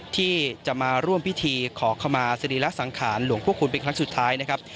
ที่จะมาร่วมพิธีขอขมาสรีระสังขารหลวงพวกคุณเป็นครั้งสุดท้ายนะครับ